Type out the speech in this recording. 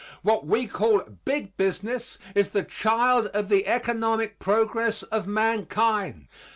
What we call big business is the child of the economic progress of mankind.